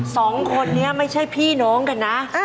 สองคนนี้ไม่ใช่พี่น้องกันนะ